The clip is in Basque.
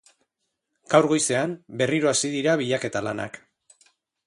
Gaur goizean berriro hasi dira bilaketa-lanak.